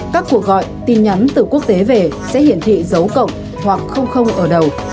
các cuộc gọi tin nhắn từ quốc tế về sẽ hiển thị dấu cộng hoặc ở đầu